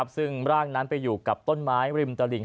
ซึ่งร่างนั้นไปอยู่กับต้นไม้ริมตลิ่ง